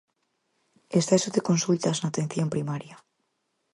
Exceso de consultas na atención primaria.